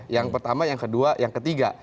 yang pertama yang kedua yang ketiga